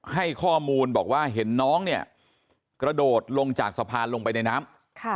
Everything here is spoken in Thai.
ให้ข้อมูลบอกว่าเห็นน้องเนี่ยกระโดดลงจากสะพานลงไปในน้ำ